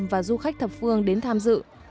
và du khách thập phương đến tham dự